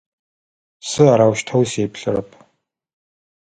Сэ арэущтэу сеплъырэп.